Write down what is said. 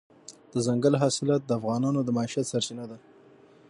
دځنګل حاصلات د افغانانو د معیشت سرچینه ده.